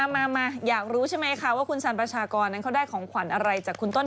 มาอยากรู้ใช่ไหมคะว่าคุณสันประชากรนั้นเขาได้ของขวัญอะไรจากคุณต้น